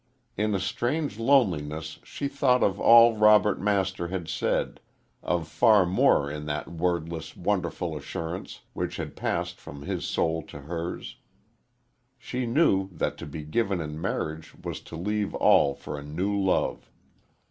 In a strange loneliness she thought of all Robert Master had said, of far more in that wordless, wonderful assurance which had passed from his soul to hers. She knew that to be given in marriage was to leave all for a new love.